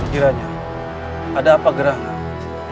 kira kira ada apa gerakan